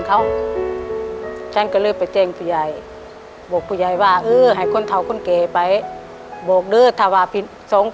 โคลดเหมือนผู้ท้าจะทำหนึ่ง